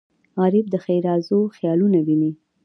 غریب د ښېرازو خیالونه ویني